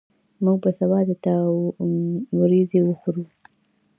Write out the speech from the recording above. موږ به سبا د تا وریځي وخورو